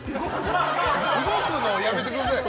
動くのやめてください。